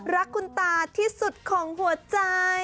รักคุณตาที่สุดของหัวใจ